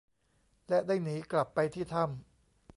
และได้หนีกลับไปที่ถ้ำ